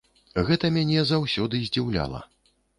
Гэта мяне заўсёды здзіўляла.